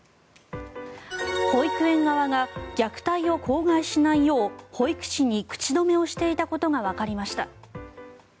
保育園側が虐待を口外しないよう保育士に口止めをしていたことがわかりました。